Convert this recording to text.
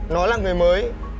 nó là người mới